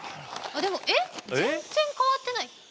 えっ全然変わってない。